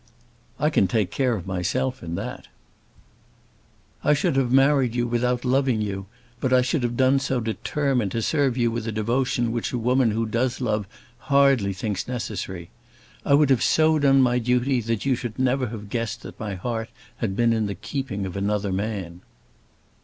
"I can take care of myself in that." "I should have married you without loving you, but I should have done so determined to serve you with a devotion which a woman who does love hardly thinks necessary. I would have so done my duty that you should never have guessed that my heart had been in the keeping of another man."